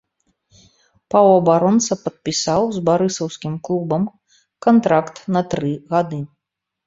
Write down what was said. Паўабаронца падпісаў з барысаўскім клубам кантракт на тры гады.